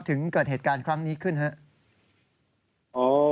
ถึงเกิดเหตุการณ์ครั้งนี้ขึ้นครับ